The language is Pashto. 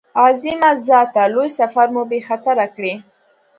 عظیمه ذاته لوی سفر مو بې خطره کړې.